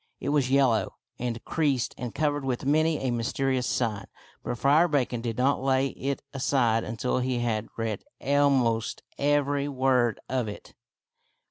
It was yellow and creased and covered with many a mysterious sign, but Friar Bacon did not lay it aside until he had read almost every word of it.